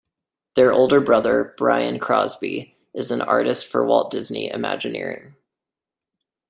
Their older brother, Brian Crosby, is an artist for Walt Disney Imagineering.